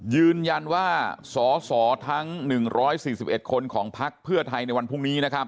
ยืนยันว่าสสทั้ง๑๔๑คนของพักเพื่อไทยในวันพรุ่งนี้นะครับ